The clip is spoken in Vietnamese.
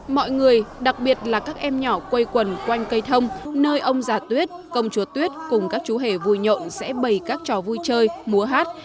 mọi người đặc biệt là các em nhỏ quây quần quanh cây thông nơi ông già tuyết công chúa tuyết cùng các chú hề vui nhộn sẽ bày các trò vui chơi múa hát